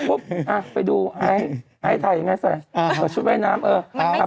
ปุ๊บอ่ะไปดูไอ้ไทยไงใส่อ่าชุดว่ายน้ำเออมันไม่ใจนะ